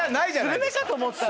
スルメかと思ったら。